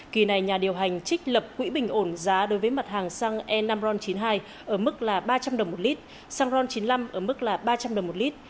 kỳ này nhà điều hành trích lập quỹ bình ổn giá đối với mặt hàng xăng e năm ron chín mươi hai ở mức là ba trăm linh đồng một lít xăng ron chín mươi năm ở mức ba trăm linh đồng một lít